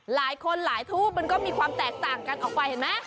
หลายคนหลายทูปมันก็มีความแตกต่างกันออกไปเห็นไหม